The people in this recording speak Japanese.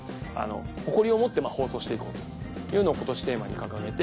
誇りを持って放送していこうというのを今年テーマに掲げて。